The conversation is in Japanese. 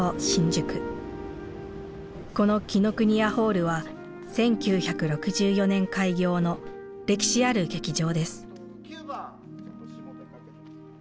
この紀伊國屋ホールは１９６４年開業の歴史ある劇場です。